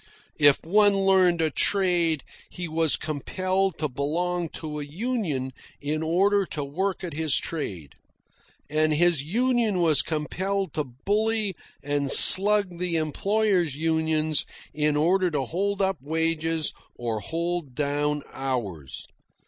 If one learned a trade, he was compelled to belong to a union in order to work at his trade. And his union was compelled to bully and slug the employers' unions in order to hold up wages or hold down hours.